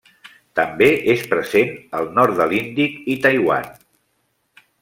També és present al nord de l'Índic i Taiwan.